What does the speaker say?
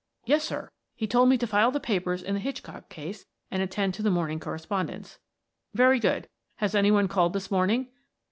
"Yes, sir; he told me to file the papers in the Hitchcock case, and attend to the morning correspondence." "Very good. Has any one called this morning?"